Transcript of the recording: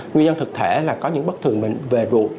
nguyên nhân thực thể là có những bất thường về ruột